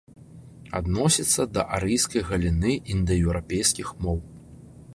Адносіцца да арыйскай галіны індаеўрапейскіх моў.